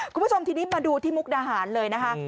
คุณผู้ชมทีนี้มาดูที่มุกดาหารเลยนะคะ